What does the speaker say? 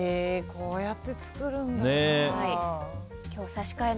こうやって作るんだ。